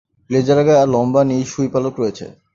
লেজের আগায় লম্বা নীল সুই-পালক রয়েছে।